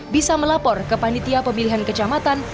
bisa melapor ke panitia pemilihan kecamatan